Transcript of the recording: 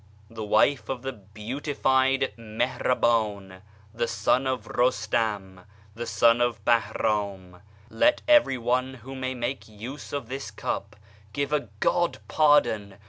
"The wife of the beatified Mihrabaii, the son of Rustain, [the son] of Babrani. Let every one who may make use [of tliis cup] give a ' God pardon